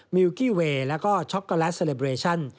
มิลกิเวย์และก็ช็อกโกแลตเซลบเรชั่น